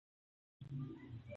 خواړه لومړی ساړه کړئ.